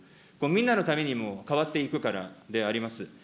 みんなのためにも変わっていくからであります。